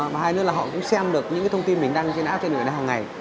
và hai nữa là họ cũng xem được những cái thông tin mình đăng trên app thiện nguyện này hằng ngày